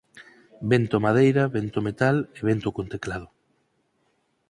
vento-madeira, vento-metal e vento con teclado